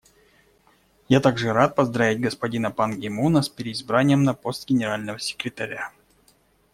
Я также рад поздравить господина Пан Ги Муна с переизбранием на пост Генерального секретаря.